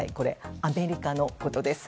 アメリカのことです。